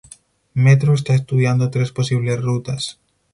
Metro está estudiando tres posibles rutas.